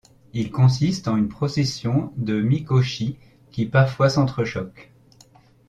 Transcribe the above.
Il consiste en une procession de mikoshi, qui parfois s’entrechoquent.